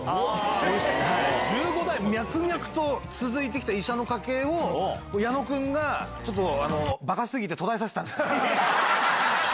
脈々と続いてきた医者の家系を、矢野君がちょっとあの、ばかすぎて途絶えさせたんです。